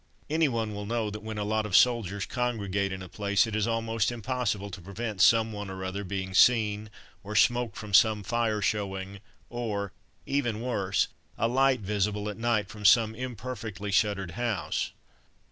Anyone will know that when a lot of soldiers congregate in a place it is almost impossible to prevent someone or other being seen, or smoke from some fire showing, or, even worse, a light visible at night from some imperfectly shuttered house.